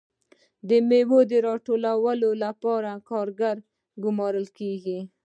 د میوو د راټولولو لپاره کارګران ګمارل کیږي.